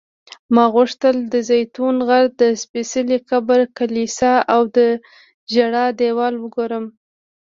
ما غوښتل د زیتون غر، د سپېڅلي قبر کلیسا او د ژړا دیوال وګورم.